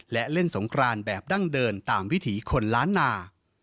และเล่นสงครานแบบดั้งเดินตามวิถีคนล้านนา